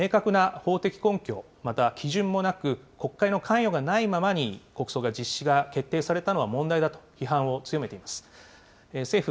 野党側は、明確な法的根拠、また基準もなく、国会の関与がないままに国葬が、実施が決定されたのは問題だと批判を強めています。